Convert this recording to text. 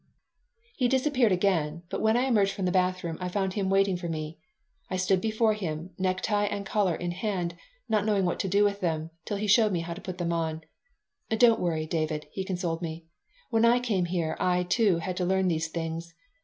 He disappeared again, but when I emerged from the bathroom I found him waiting for me. I stood before him, necktie and collar in hand, not knowing what to do with them, till he showed me how to put them on "Don't worry. David," he consoled me. "When I came here I, too, had to learn these things."